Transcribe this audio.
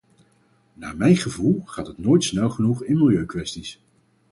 Naar mijn gevoel gaat het nooit snel genoeg in milieukwesties.